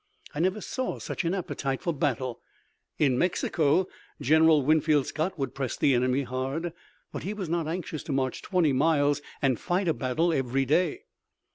"I never saw such an appetite for battle. In Mexico General Winfield Scott would press the enemy hard, but he was not anxious to march twenty miles and fight a battle every day."